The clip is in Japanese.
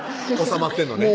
収まってんのね